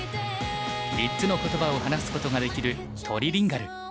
３つの言葉を話すことができるトリリンガル。